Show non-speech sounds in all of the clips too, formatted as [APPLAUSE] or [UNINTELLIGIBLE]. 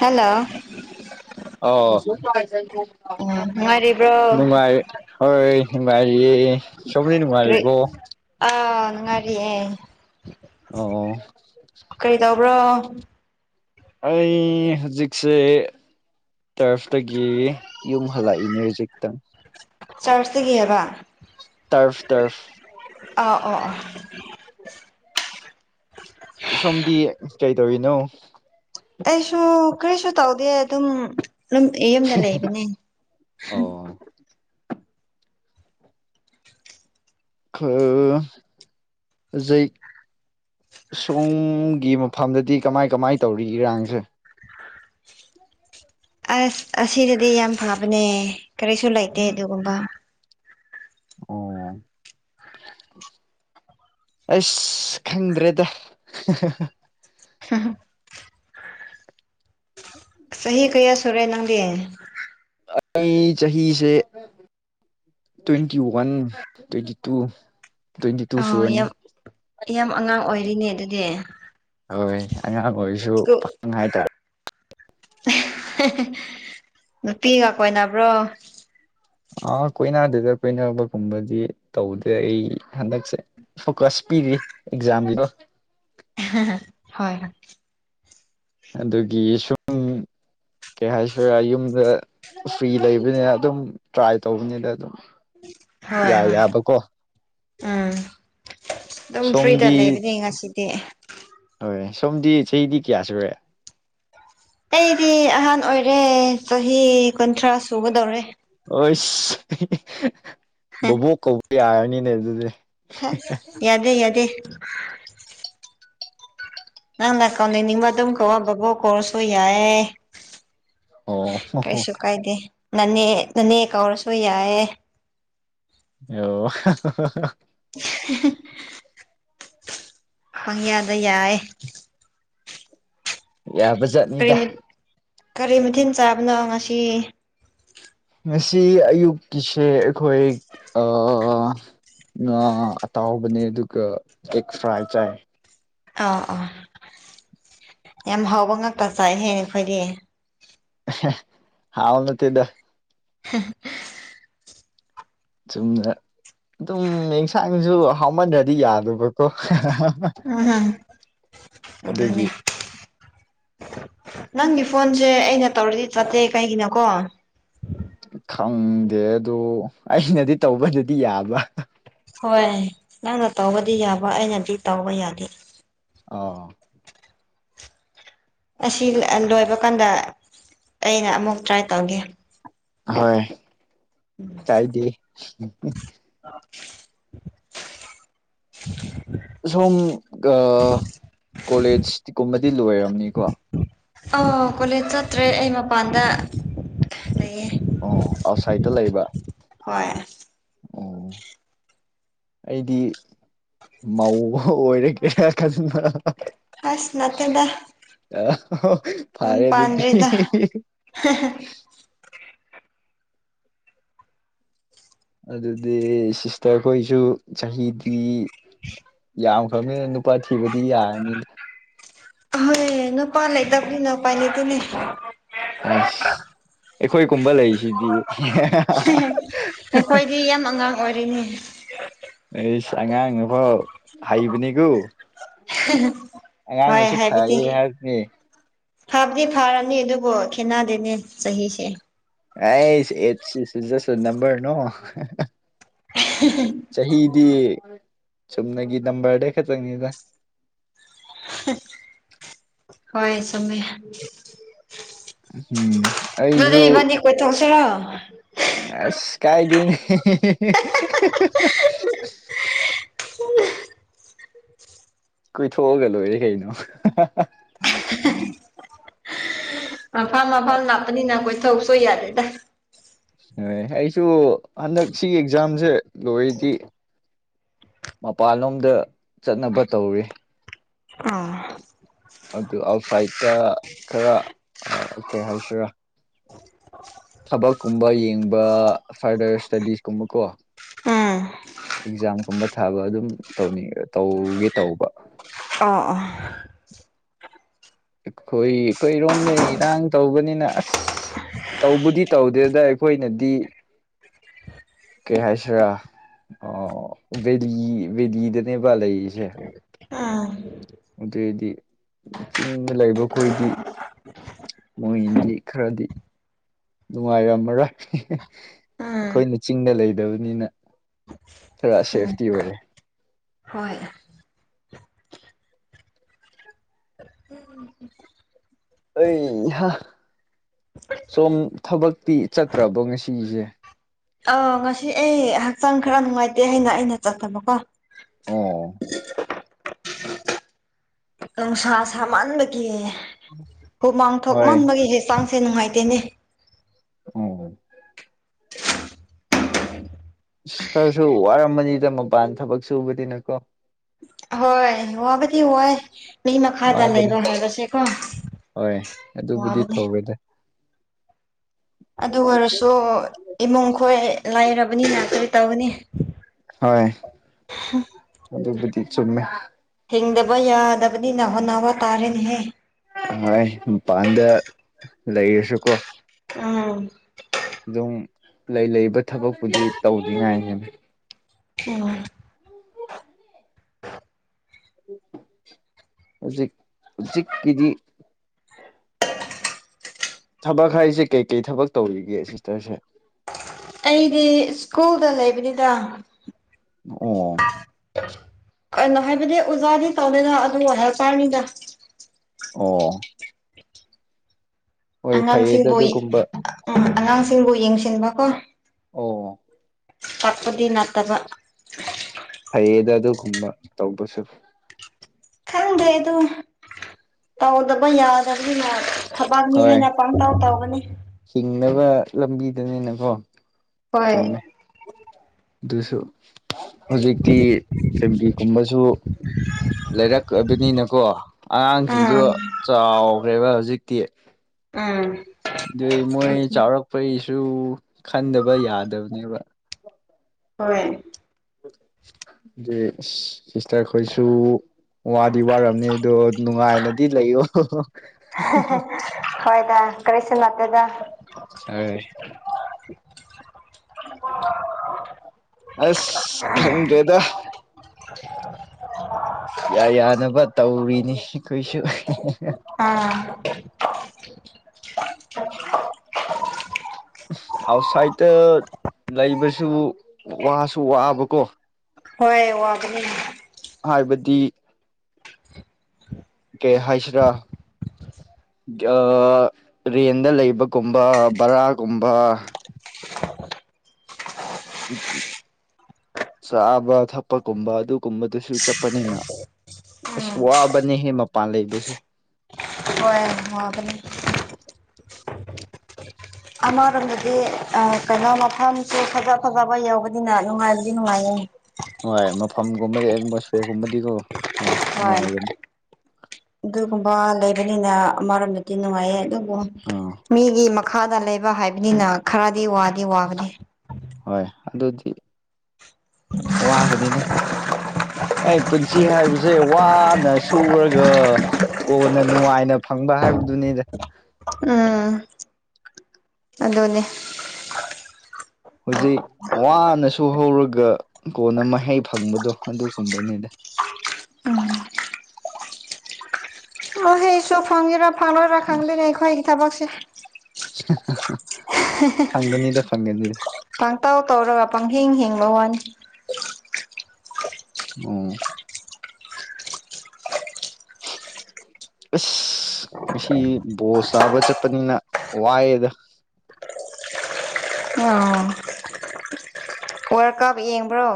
hello ꯠꯇꯣ ꯍꯥꯏꯁ ꯑꯣ ꯉꯉꯔꯤꯕ꯭ꯔꯣ ꯅꯨꯡꯉꯥꯏ ꯍꯣꯏ ꯅꯨꯡꯉꯥꯏꯔꯤꯌꯦ ꯁꯣꯝꯅ ꯅꯨꯡꯉꯥꯏꯔꯤꯕꯣ ꯉꯉꯔꯤꯑꯦ ꯑꯣ ꯑꯣ [INAUDIBLE] ꯑꯩ ꯍꯨꯖꯤꯛꯁꯦ ꯇꯔꯐꯇꯒꯤ ꯌꯨꯝ ꯍꯜꯂꯛꯏꯅꯦ ꯍꯨꯖꯤꯛꯇꯪ ꯆꯔ꯭ꯆꯇꯒꯤꯑꯦꯕ ꯇꯔ꯭ꯐ ꯇꯔ꯭ꯐ ꯑꯥ ꯑꯥ ꯁꯣꯝꯗꯤ ꯀꯩꯗꯧꯔꯤꯅꯣ ꯑꯩꯁꯨ ꯀꯔꯤꯁꯨ ꯇꯧꯗꯦ ꯑꯗꯨꯝ ꯗꯨꯝ ꯌꯨꯝꯗ ꯂꯩꯕꯅꯦ ꯑꯣ ꯈ ꯑꯖꯩ ꯁꯣꯝꯒꯤ ꯃꯐꯝꯗꯗꯤ ꯀꯃꯥꯏ ꯀꯃꯥꯏ ꯇꯧꯔꯤ ꯏꯔꯥꯡꯖꯦ ꯑꯁ ꯑꯁꯤꯗꯗꯤ ꯌꯥꯝ ꯐꯕꯅꯦ ꯀꯔꯤꯁꯨ ꯂꯩꯇꯦ ꯑꯗꯨꯒꯨꯝꯕ ꯑꯣ ꯑꯁ ꯈꯪꯗ꯭ꯔꯦꯗ ꯆꯍꯤ ꯀꯌꯥ ꯁꯨꯔꯦ ꯅꯪꯗꯤ ꯑꯩ ꯆꯍꯤꯁꯦ twenty one twenty two twenty two ꯑꯣ ꯁꯨꯔꯅꯤ ꯌꯥꯝ ꯌꯥꯝ ꯑꯉꯥꯡ ꯑꯣꯏꯔꯤꯅꯦ ꯑꯗꯨꯗꯤ ꯍꯣꯏ ꯑꯉꯥꯡ ꯑꯣꯏꯔꯁꯨ ꯁ꯭ꯀꯨꯜ ꯄꯥꯈꯪ ꯍꯥꯏꯇꯥꯔꯦ ꯅꯨꯄꯤꯒ ꯀꯣꯏꯅꯕ꯭ꯔꯣ ꯑ ꯀꯣꯏꯅꯗꯦꯗ ꯀꯣꯏꯅꯕꯒꯨꯝꯕꯗꯤ ꯇꯧꯗꯦ ꯑꯩ ꯍꯟꯗꯛꯁꯦ ꯐꯣꯀꯁ ꯄꯤꯔꯤ ꯑꯦꯛꯖꯥꯝꯒꯤꯗꯣ ꯍꯣꯏ ꯍꯣꯏ ꯑꯗꯨꯒꯤ ꯁꯨꯝ ꯀꯩ ꯍꯥꯏꯁꯤꯔꯥ ꯌꯨꯝꯗ ꯐ꯭ꯔꯤ ꯂꯩꯕꯅꯤꯅ ꯑꯗꯨꯝ ꯇ꯭ꯔꯥꯏ ꯇꯧꯕꯅꯤꯗ ꯑꯗꯨꯝ ꯍꯣꯏ ꯌꯥꯏ ꯍꯣꯏ ꯌꯥꯕꯀꯣ ꯎꯝ ꯑꯗꯨꯝ ꯐ꯭ꯔꯤꯗ ꯁꯣꯝꯗꯤ ꯂꯩꯕꯅꯦ ꯉꯁꯤꯗꯤ ꯍꯣꯏ ꯁꯣꯝꯗꯤ ꯆꯍꯤꯗꯤ ꯀꯌꯥ ꯁꯨꯔꯦ ꯑꯩꯗꯤ ꯑꯍꯟ ꯑꯣꯏꯔꯦ ꯆꯍꯤ ꯀꯨꯟꯊ꯭ꯔꯥ ꯁꯨꯒꯗꯧꯔꯦ ꯍꯣꯏꯁꯤ ꯕꯨꯕꯣꯛ ꯀꯧꯕ ꯌꯥꯔꯅꯤꯅꯦ ꯑꯗꯨꯗꯤ ꯍꯁ ꯌꯥꯗꯦ ꯌꯥꯗꯦ ꯅꯪꯅ ꯀꯧꯅꯅꯤꯡꯕ ꯑꯗꯨꯝ ꯀꯧꯋꯣ ꯕꯨꯕꯣꯛ ꯀꯧꯔꯁꯨ ꯌꯥꯏꯌꯦ ꯑꯣ ꯀꯩꯁꯨ ꯀꯥꯏꯗꯦ ꯅꯅꯦ ꯅꯅꯦ ꯀꯧꯔꯁꯨ ꯌꯥꯏꯌꯦ ꯑꯣ [UNINTELLIGIBLE] ꯄꯪꯌꯥꯗ ꯌꯥꯏꯌꯦ ꯀꯔꯤ ꯌꯥꯕꯖꯠꯅꯤꯗ ꯃꯠ ꯀꯔꯤ ꯃꯊꯦꯟ ꯆꯥꯕꯅꯣ ꯉꯁꯤ ꯉꯁꯤ ꯑꯌꯨꯛꯀꯤꯁꯦ ꯑꯩꯈꯣꯏ ꯑꯥ ꯉꯥ ꯑꯇꯥꯎꯕꯅꯦ ꯑꯗꯨꯒ ꯑꯦꯛ ꯐ꯭ꯔꯥꯏ ꯆꯥꯏꯌꯦ ꯑꯣ ꯑꯣ ꯌꯥꯝ ꯍꯥꯎꯕ ꯉꯥꯛꯇ ꯆꯥꯏꯍꯦ ꯑꯩꯈꯣꯏꯗꯤ ꯍꯥꯎ ꯅꯠꯇꯦꯗ [UNINTELLIGIBLE] ꯆꯨꯝꯅ ꯑꯗꯨꯝ ꯑꯦꯟꯁꯥꯡꯖꯨ ꯍꯥꯎꯃꯟꯗ꯭ꯔꯗꯤ ꯌꯥꯗꯕꯀꯣ ꯎꯝꯍꯨꯝ ꯑꯗꯨꯒꯤ ꯅꯪꯒꯤ ꯐꯣꯟꯁꯦ ꯑꯩꯅ ꯇꯧꯔꯗꯤ ꯆꯠꯇꯦ ꯀꯩꯒꯤꯅꯣꯀꯣ ꯈꯪꯗꯦ ꯑꯗꯨ ꯑꯩꯅꯗꯤ ꯇꯧꯕꯗꯗꯤ ꯌꯥꯕ ꯍꯣꯏ ꯅꯪꯅ ꯇꯧꯕꯗꯤ ꯌꯥꯕ ꯑꯩꯅꯗꯤ ꯇꯧꯕ ꯌꯥꯗꯦ ꯑꯧ ꯑꯁꯤ ꯂꯣꯏꯕ ꯀꯥꯟꯗ ꯑꯩꯅ ꯑꯃꯨꯛ ꯇ꯭ꯔꯥꯏ ꯇꯧꯒꯦ ꯍꯣꯏ ꯇꯥꯏꯗꯤ [UNINTELLIGIBLE] ꯁꯣꯝ ꯀꯣꯂꯦꯖꯀꯨꯝꯕꯗꯤ ꯂꯣꯏꯔꯕꯝꯅꯤꯀꯣ ꯑ ꯀꯣꯂꯦꯖ ꯆꯠꯇ꯭ꯔꯦ ꯑꯩ ꯃꯄꯥꯟꯗ ꯂꯩꯌꯦ ꯑꯣ ꯑꯥꯎꯠꯁꯥꯏꯠꯇ ꯂꯩꯕ ꯍꯣꯏ ꯑꯣ ꯑꯩꯗꯤ ꯃꯧ ꯑꯣꯏꯔꯒꯦ ꯈꯖꯕ ꯑꯁ ꯃꯦꯗꯥ ꯑ ꯐꯥꯔꯦꯗꯨꯗꯤꯤ ꯑꯗꯨꯗꯤ ꯁꯤꯁꯇꯔꯈꯣꯏꯁꯨ ꯆꯍꯤꯗꯤ ꯌꯥꯝꯈ꯭ꯔꯕꯅꯤ ꯅꯨꯨꯄꯥ ꯊꯤꯕꯗꯤ ꯌꯥꯔꯅꯤ ꯑꯍꯣꯏ ꯅꯨꯄꯥ ꯂꯩꯇꯕꯒꯤ ꯅꯄꯥꯥꯏ ꯂꯩꯇꯣꯏꯅꯦ ꯑꯁ ꯑꯩꯈꯣꯏꯒꯨꯝꯕ ꯂꯩꯁꯤꯗꯤ ꯑꯩꯈꯣꯏꯗꯤ ꯌꯥꯝ ꯑꯉꯥꯡ ꯑꯣꯏꯔꯤꯅꯤ ꯑꯦꯁ ꯑꯉꯥꯡ ꯅꯨꯕꯣ ꯍꯩꯕꯅꯤꯀꯣ [UNINTELLIGIBLE] ꯍꯣꯏ ꯑꯉꯥꯡꯗꯨꯁꯨ ꯍꯥꯏꯕꯗꯤ ꯐꯔꯌꯦ ꯍꯥꯏꯕꯅꯦ ꯐꯕꯗꯤ ꯐꯔꯅꯤ ꯑꯗꯨꯕꯨ ꯈꯦꯠꯅꯗꯦꯅꯦ ꯆꯍꯤꯁꯦ ꯑ ꯁꯤꯖꯁꯣ ꯅꯝꯕꯝꯕꯔ ꯅꯣ ꯆꯍꯤꯗꯤ ꯆꯨꯝꯅꯒꯤ ꯅꯝꯕꯔ ꯗꯦ ꯈ ꯆꯪꯅꯤꯗ ꯍꯣꯏ ꯆꯃꯦ ꯎꯝ ꯑꯩꯁꯨꯁꯨ ꯄ ꯆꯂ ꯑꯁ ꯀꯥꯏꯗꯤꯅꯦ ꯀꯣꯏ ꯊꯣꯛꯑꯒꯂꯣ ꯀꯥꯏꯅꯣ ꯑꯝꯐꯝ ꯑꯐꯥꯝ ꯂꯥꯛꯞꯄꯅꯤꯅ ꯑꯩꯈꯣꯏ ꯊꯧꯛ ꯁꯨ ꯌꯥꯗꯦꯗ ꯍ ꯑꯩꯁꯨ ꯍꯟꯗꯛ ꯁꯤꯒꯤ ꯑꯦꯛꯖꯥꯝꯁꯦ ꯂꯔꯤꯗꯤ ꯃꯄꯜꯂꯣꯝꯗ ꯆꯠꯅꯕ ꯇꯧꯔꯤ ꯑꯥ ꯑꯗꯨ ꯑꯥꯎꯠꯁꯥꯏꯠꯇ ꯈꯔ ꯀꯩ ꯍꯥꯏꯁꯤꯔꯥ ꯊꯕꯛꯀꯨꯝꯕ ꯌꯦꯡꯕ ꯐꯔꯗꯔ ꯏꯁꯇꯗꯤꯁꯀꯨꯝꯕ ꯀꯣ ꯎꯝ ꯑꯦꯛꯖꯥꯝꯒꯨꯝꯕ ꯊꯥꯕ ꯑꯗꯨꯝ ꯇꯧꯅꯤ ꯇꯧꯒꯦ ꯇꯧꯕ ꯑ ꯑꯩꯈꯣꯏ ꯑꯩꯈꯣꯏ ꯏꯔꯣꯝꯅꯩ ꯏꯔꯥꯡ ꯇꯧꯕꯅꯤꯅ ꯑꯁ ꯇꯧꯕꯗꯤ ꯇꯧꯗꯦꯗ ꯑꯩꯈꯣꯏꯅꯗꯤ ꯀꯩ ꯍꯥꯏꯁꯤꯔꯥ ꯑ ꯦꯂꯤ ꯦꯂꯤꯗꯅꯦꯕ ꯂꯩꯁꯦ ꯎꯝ ꯑꯗꯨꯏꯗꯤ ꯆꯤꯡꯗ ꯂꯩꯕꯈꯣꯏꯗꯤ ꯃꯣꯏꯗꯤ ꯈꯔꯗꯤ ꯅꯨꯡꯉꯥꯏꯔꯝꯃꯔꯣꯏ ꯎꯝ ꯑꯩꯈꯣꯏꯅ ꯆꯤꯡꯗ ꯂꯩꯗꯕꯅꯤꯅ ꯊꯔ ꯎꯝ ꯁꯦꯐꯇꯤ ꯑꯣꯏꯔꯦ ꯍꯣꯏ ꯑꯩꯍ ꯁꯣꯝ ꯊꯕꯛꯇꯤ ꯆꯠꯇ꯭ꯔꯕꯣ ꯉꯁꯤꯒꯤꯁꯦ ꯑꯥ ꯉꯁꯤ ꯑꯩ ꯍꯛꯆꯥꯡ ꯈꯔ ꯅꯨꯡꯉꯥꯏꯇꯦ ꯑꯩꯅ ꯑꯩꯅ ꯆꯠꯇꯕꯀꯣ ꯑꯣ ꯅꯨꯡꯁꯥ ꯁꯥꯃꯟꯕꯒꯤ ꯍꯨꯃꯥꯡ ꯍꯣꯏ ꯊꯣꯛꯃꯟꯕꯒꯤ ꯍꯦ ꯆꯥꯡ ꯁꯦ ꯅꯨꯡꯉꯥꯏꯇꯦꯅꯦ ꯎꯝ ꯁꯤꯁꯇꯔꯁꯨ ꯋꯥꯔꯃꯅꯤꯗ ꯃꯄꯥꯟ ꯊꯕꯛ ꯁꯨꯕꯅꯤꯅꯀꯣ ꯍꯣꯏ ꯋꯥꯕꯤ ꯋꯥꯣꯏ ꯃꯤ ꯃꯈꯥꯗ ꯋꯥꯕꯅꯦ ꯂꯩꯔꯣ ꯍꯥꯏꯕꯁꯦꯀꯣ ꯍꯣꯏ ꯑꯗꯨꯕꯨꯗꯤ ꯋꯥꯕꯅꯦ ꯇꯧꯔꯦꯗ ꯑꯗꯨ ꯑꯣꯏꯔꯁꯨ ꯏꯃꯨꯡ ꯈꯣꯏ ꯂꯥꯏꯔꯕꯅꯤꯅ ꯀꯣꯏ ꯇꯧꯕꯅꯤ ꯍꯣꯏ ꯑꯗꯨꯕꯨꯗꯤ ꯆꯨꯝꯃꯦ ꯊꯤꯡꯗꯕ ꯌꯥꯗꯕꯅꯤ ꯅ ꯍꯣꯋꯥ ꯇꯥꯔꯦꯅꯦꯍꯦ ꯍꯣꯏ ꯃꯄꯥꯟꯗ ꯂꯩꯔꯁꯨꯀꯣ ꯑꯥ ꯑꯗꯨꯝ ꯂꯩ ꯂꯩ ꯊꯕꯛꯄꯨꯗꯤ ꯇꯧꯗ꯭ꯉꯥꯏꯅꯦ ꯎꯝ ꯍꯧ ꯎꯆꯛ ꯎꯆꯛ ꯀꯗꯤ ꯊꯕꯛ ꯍꯥꯏꯔꯤꯁꯦ ꯀꯩꯀꯩ ꯊꯕꯛ ꯇꯧꯔꯤꯒꯦ ꯁꯤꯁꯇꯔꯁꯦ ꯑꯩꯗꯤ ꯁ꯭ꯀꯨꯜꯗ ꯂꯩꯕꯅꯤꯗ ꯑꯣ ꯀꯩꯅꯣ ꯍꯥꯏꯕꯗꯤ ꯑꯣꯖꯥꯗꯤ ꯇꯧꯗꯦꯗ ꯑꯗꯨꯔ ꯄꯥꯔꯅꯤꯗ ꯑꯣ ꯍꯣꯏ ꯐꯩꯌꯦꯗ ꯑꯉꯥꯡꯁꯤꯡꯕꯨ ꯑꯗꯨꯒꯨꯝꯕ ꯎꯝ ꯑꯉꯥꯡꯁꯤꯡꯕꯨ ꯌꯦꯡꯁꯤꯟꯕ ꯀꯣ ꯑꯣ ꯇꯛꯄꯗꯤ ꯅꯠꯇꯕ ꯂꯩꯦꯗ ꯑꯗꯨꯒꯨꯝꯕ ꯇꯧꯕꯁꯨ ꯈꯪꯗꯦ ꯑꯗꯨ ꯇꯧꯗꯕ ꯌꯥꯗꯕꯗꯤ ꯃꯥ ꯊꯕꯛꯅꯤ ꯍꯣꯏ ꯍꯥꯏꯅ ꯄꯥꯡꯇꯥꯎ ꯇꯧꯒꯅꯤ ꯍꯤꯡꯅꯕ ꯂꯝꯕꯤꯗꯨꯅꯤꯅꯀꯣ ꯍꯣꯏ ꯑꯗꯨꯁꯨ ꯍꯧꯖꯤꯛꯇꯤ ꯐꯕꯤꯒꯨꯝꯕ ꯁꯨ ꯂꯩꯔꯛꯕꯅꯤꯅꯀꯣ ꯑꯉꯥꯡꯁꯤꯡꯁꯨ ꯎꯝ ꯆꯥꯎ ꯦꯕ ꯍꯧꯖꯤꯛꯇꯤ ꯑꯥ ꯑꯗꯨꯏ ꯃꯣꯏ ꯆꯥꯎꯔꯛꯄꯒꯤꯁꯨ ꯈꯟꯗꯕ ꯌꯥꯗꯕꯅꯦꯕ ꯍꯣꯏ ꯁꯤꯁꯇꯔ ꯈꯁꯨ ꯋꯥꯗꯤ ꯋꯥꯔꯝꯅꯤ ꯑꯗꯣ ꯅꯨꯡꯉꯥꯏꯅꯗꯤ ꯂꯩꯌꯣ ꯀꯔꯤꯁꯟ ꯃꯦꯗ ꯍꯣꯏ ꯑꯁ ꯈꯪꯗꯦꯗ ꯌꯥꯅꯕ ꯇꯧꯔꯤꯅꯤ ꯑꯩꯈꯣꯏꯁꯨ ꯑꯥ [UNINTELLIGIBLE] [UNINTELLIGIBLE] ꯑꯥꯎꯠꯁꯥꯏꯠꯇ ꯂꯩꯕꯁꯨ ꯋꯥꯁꯨ ꯋꯥꯕꯀꯣ ꯍꯣꯏ ꯋꯥꯒꯅꯤ ꯍꯥꯏꯕꯗꯤ ꯀꯦ ꯍꯥꯏꯁ꯭ꯔꯥ ꯔꯦꯟꯗ ꯂꯩꯕꯒꯨꯝꯕ ꯕꯔꯥꯒꯨꯝꯕ ꯏ ꯆꯥꯕ ꯊꯛꯄꯒꯨꯝꯕ ꯑꯗꯨꯒꯨꯝꯕꯗꯨꯁꯨ ꯆꯠꯄꯅꯤꯅ ꯑꯁ ꯎꯝ ꯋꯥꯕꯅꯦꯍꯦ ꯃꯄꯥꯟ ꯂꯩꯕꯁꯨ ꯕꯅꯤ ꯑꯃꯔꯣꯝꯗꯗꯤ ꯀꯩꯅꯣ ꯃꯐꯝꯁꯨ ꯐꯖ ꯐꯖꯕ ꯌꯧꯕꯅꯤꯅ ꯅꯨꯡꯉꯥꯏꯕꯨꯗꯤ ꯅꯨꯡꯉꯥꯏꯌꯦ ꯐꯝꯒꯨꯝꯕꯗꯤ ꯑꯦꯗꯃꯣꯁꯐꯤꯌꯔꯒꯨꯝꯕꯗꯤꯀꯣ ꯍꯣꯏ ꯑꯗꯨꯒꯨꯝꯕ ꯂꯩꯕꯅꯤꯅ ꯑꯃꯔꯣꯝꯗꯗꯤ ꯅꯨꯡꯉꯥꯏꯌꯦ ꯑꯗꯨ ꯑꯥ ꯃꯤꯒꯤ ꯃꯈꯥꯗ ꯂꯩꯕ ꯍꯥꯏꯕꯅꯤꯅ ꯈꯔꯗꯤ ꯋꯥꯗꯤ ꯋꯥꯕꯅꯤ ꯍꯣꯏ ꯑꯗꯨꯗꯤ ꯋꯥꯒꯅꯤꯅ ꯑꯩ ꯄꯨꯟꯁꯤ ꯍꯥꯏꯕꯁꯦ ꯋꯥꯅ ꯁꯨꯔꯒ ꯀꯣꯟꯅ ꯅꯨꯡꯉꯥꯏꯅ ꯐꯪꯕ ꯍꯥꯏꯕꯗꯨꯅꯤꯗ ꯎꯝ ꯑꯗꯨꯅꯦ ꯍꯧꯖꯤꯛ ꯋꯥꯅꯁꯨ ꯍꯧꯔꯒ ꯀꯣꯟꯅ ꯃꯍꯩ ꯐꯪꯕꯗꯣ ꯑꯗꯨꯒꯨꯝꯕꯅꯤꯗ ꯍ [INAUDIBLE] ꯍꯩꯁꯨ ꯐꯪꯉꯦꯔꯥ ꯐꯪꯉꯣꯏꯔꯥ ꯈꯪꯗꯔ ꯑꯩꯈꯣꯏꯒꯤ ꯊꯕꯛꯁꯦ [INAUDIBLE] ꯐꯪꯒꯅꯤꯗ ꯐꯪꯒꯅꯤꯗ ꯄꯥꯡꯇꯥꯎ ꯇꯧꯔꯒ ꯄꯪꯍꯤꯡ ꯍꯤꯡꯕ ꯋꯥꯅꯤ ꯑꯝ [INAUDIBLE] ꯑꯁ ꯉꯁꯤ ꯕꯣꯁ ꯇꯥꯕ ꯆꯠꯄꯅꯤꯅ ꯋꯥꯏꯑꯦꯗ [INAUDIBLE] ꯑꯥ ꯋꯥꯔꯜ ꯀꯞ ꯌꯦꯡꯕ꯭ꯔꯣ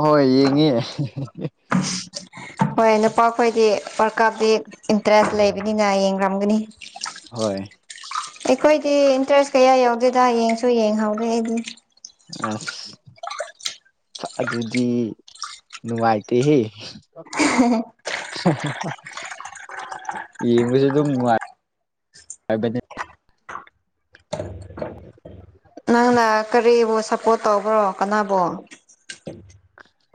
ꯍꯣꯏ ꯌꯦꯡꯉ ꯍꯣꯏ ꯅꯨꯄꯥꯈꯣꯏꯗꯤ ꯋꯥꯔ ꯀꯞꯗꯤ ꯏꯟꯇꯔꯦꯁ ꯂꯩꯕꯅꯤꯅ ꯌꯦꯡꯝꯒꯅꯤ ꯍꯣꯏ ꯑꯩꯈꯣꯏꯗꯤ ꯏꯟꯇꯔꯦꯁ ꯀꯌꯥ ꯌꯥꯎꯗꯦꯗ ꯌꯦꯡꯁꯨ ꯌꯦꯡꯍꯧꯒꯦ ꯑꯩꯗꯤ ꯑꯁ ꯑꯗꯨꯗꯤ ꯅꯨꯡꯉꯥꯏꯇꯦꯍꯦ [INAUDIBLE] ꯌꯦꯡꯕꯁꯨ ꯑꯗꯨꯝ ꯅꯨꯡꯉꯥꯏꯕꯅꯤ ꯎꯝ ꯀꯣꯠ ꯇꯧꯕ꯭ꯔꯣ ꯀꯅꯥꯕꯣ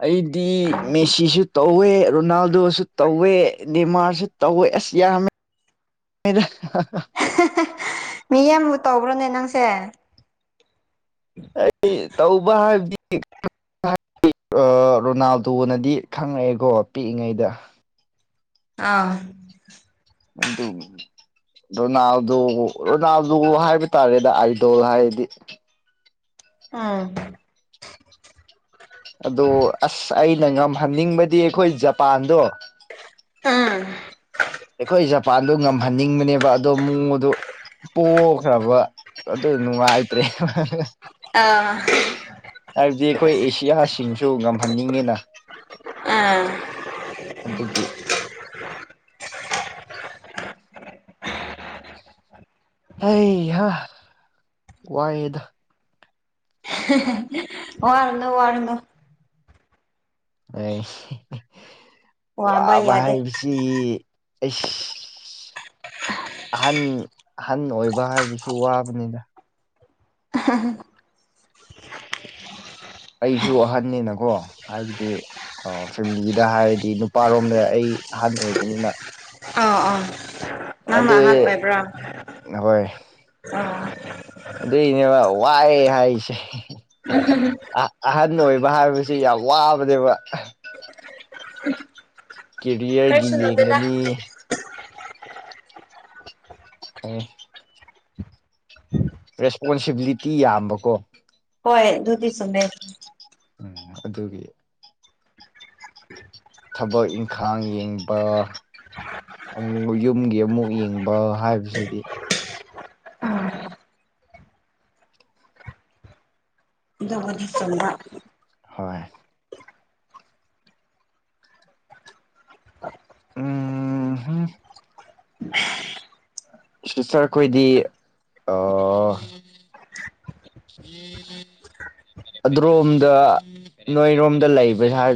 ꯑꯩꯗꯤ ꯃꯦꯁꯤꯁꯨ ꯇꯧꯋꯦ ꯔꯣꯅꯥꯜꯗꯣꯁꯨ ꯇꯧꯋꯦ ꯗꯦꯃꯥꯔꯁꯨ ꯇꯧꯋꯦ ꯑꯁꯤ ꯌꯥ ꯃꯤ ꯑꯃꯕꯨ ꯇꯧꯕ꯭ꯔꯣꯅꯦ ꯅꯪꯁꯦ ꯑꯩ ꯇꯧꯕ ꯍꯥꯏꯕꯗꯤ ꯔꯣꯅꯥꯜꯗꯣꯅꯗꯤ ꯈꯪꯉꯛꯑꯦꯀꯣ ꯄꯤꯛꯏꯉꯩꯗ ꯑ [INAUDIBLE] ꯔꯣꯅꯥꯜꯗꯣ ꯔꯣꯅꯥꯜꯗꯣ ꯍꯥꯏꯕ ꯇꯥꯔꯦꯗ ꯑꯥꯏꯗꯣꯜ ꯍꯥꯏꯔꯗꯤ ꯑꯥ ꯑꯗꯣ ꯑꯁ ꯑꯩꯅ ꯉꯝꯍꯟꯅꯤꯡꯕꯗꯤ ꯑꯩꯈꯣꯏ ꯖꯄꯥꯟꯗꯣ ꯎꯝ ꯑꯩꯈꯣꯏ ꯖꯄꯥꯟꯗꯣ ꯉꯝꯍꯟꯅꯤꯡꯕꯅꯦꯕ ꯑꯗꯣ ꯃꯗ ꯄꯣꯛꯈ꯭ꯔꯕ ꯑꯗꯨ ꯅꯨꯡꯉꯥꯏꯇ꯭ꯔꯦ ꯑꯥ ꯍꯥꯏꯕꯗꯤ ꯑꯩꯈꯣꯏ ꯑꯦꯁꯤꯌꯥꯁꯤꯡꯁꯨ ꯉꯝꯍꯟꯅꯤꯡꯉꯤꯅ ꯑ ꯑꯗꯨꯒꯤ ꯑꯩꯍ ꯋꯥꯍꯤꯗ ꯋꯥꯔꯗꯣ ꯋꯥꯔꯗꯣ ꯑꯩ ꯋꯥꯕ ꯍꯥꯏꯕꯁꯤ ꯑꯩꯁ ꯑꯍꯟ ꯑꯍꯟ ꯑꯣꯏꯕ ꯍꯥꯏꯕꯁꯨ ꯋꯥꯕꯅꯤꯗ [INAUDIBLE] ꯑꯩꯁꯨ ꯑꯍꯟꯅꯦꯅꯀꯣ ꯍꯥꯏꯕꯗꯤ ꯑꯣ ꯐꯦꯃꯤꯂꯤꯗ ꯍꯥꯏꯔꯗꯤ ꯅꯨꯄꯥꯔꯣꯝꯗ ꯑꯩ ꯑꯍꯟ ꯑꯣꯏꯕꯅꯤꯅ ꯑ ꯑꯥ ꯅꯪꯅ ꯑꯗꯨ ꯑꯍꯥꯟ ꯑꯣꯏꯕ꯭ꯔꯥ ꯍꯣꯏ ꯑꯗꯨꯏꯅꯦꯕ ꯋꯥꯏ ꯍꯥꯏꯁꯦ ꯎꯝ [UNINTELLIGIBLE] ꯑꯍꯟ ꯑꯣꯏꯕ ꯍꯥꯏꯕꯁꯦ ꯌꯥꯝ ꯋꯥꯕꯅꯦꯕ ꯀꯦꯔꯤꯌꯔꯒꯤ ꯀꯔꯤꯁꯨ ꯅꯠꯇꯦꯗ ꯌꯦꯡꯒꯅꯤ ꯎꯝ ꯔꯦꯁꯄꯣꯟꯁꯤꯕꯤꯂꯤꯇꯤ ꯌꯥꯝꯕꯀꯣ ꯍꯣꯏ ꯗꯨꯗꯤ ꯁꯃꯦ ꯎꯝ ꯑꯗꯨꯒꯤ ꯊꯕꯛ ꯏꯪꯈꯥꯡ ꯌꯦꯡꯕ ꯌꯨꯝꯒꯤ ꯑꯃꯨꯛ ꯌꯦꯡꯕ ꯍꯥꯏꯕꯁꯤꯗꯤ ꯑꯗꯨꯕꯨꯗꯤ ꯆꯨꯝꯕ ꯍꯣꯏ ꯑ [UNINTELLIGIBLE] ꯁꯥꯔ ꯑꯩꯈꯣꯏꯗꯤ ꯑ ꯑꯣꯝꯗ ꯅꯣꯏꯔꯣꯝꯗ ꯂꯩꯕꯁ